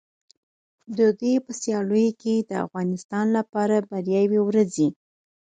د دوی په سیالیو کې د افغانستان لپاره بریاوې ورځي.